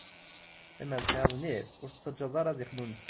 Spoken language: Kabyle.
Lemmer tesɛiḍ nnif, ur t-tettaǧǧaḍ ara ad ixnunes.